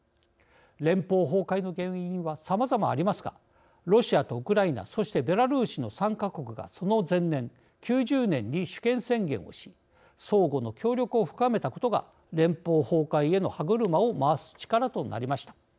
連邦崩壊の原因はさまざまありますがロシアとウクライナそしてベラルーシの３か国がその前年、９０年に主権宣言をし相互の協力を深めたことが連邦崩壊への歯車を回す力となりました。